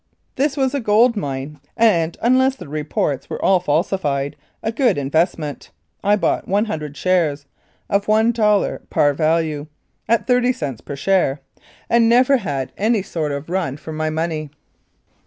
This was a gold mine, and, unless the reports were all falsified, a good investment. I bought 100 shares (of one dollar par value) at thirty cents per share, and never had any sort 72 1890 97. Lethbridge of run for my money.